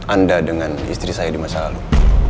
anda dengan istri saya di masa lalu